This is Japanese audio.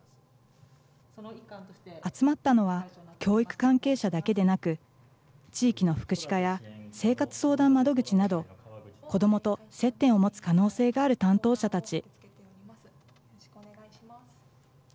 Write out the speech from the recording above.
集まったのは教育関係者だけでなく、地域の福祉課や生活相談窓口など、子どもと接点を持つ可能性がある担当者たち。